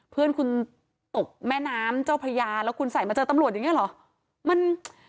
เพื่อนคุณตกแม่น้ำเจ้าพระยาแล้วคุณใส่มาเจอตำรวจอย่างนี้เหรอ